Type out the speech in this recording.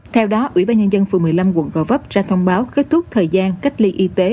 theo đó ủy ban nhân dân phường một mươi năm quận gò vấp ra thông báo kết thúc thời gian cách ly y tế